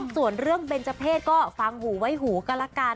ส่วนเรื่องเบนเจอร์เพศก็ฟังหูไว้หูก็ละกัน